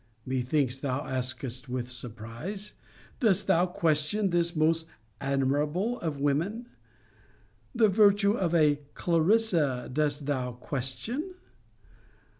(methinks thou askest with surprise) Dost thou question this most admirable of women? The virtue of a CLARISSA dost thou question?